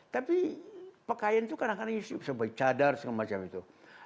tapi pakaian itu kadang kadang bisa bercadar segala macam itu